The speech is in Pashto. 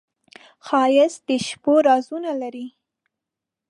ښایست د شپو رازونه لري